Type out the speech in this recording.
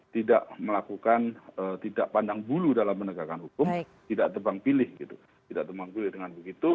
tidak melakukan tidak pandang bulu dalam penegakan hukum tidak tebang pilih gitu tidak tebang pilih dengan begitu